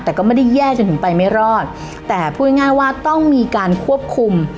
แต่ก็ไม่ได้แย่จนถึงไปไม่รอดแต่พูดง่ายว่าต้องมีการควบคุม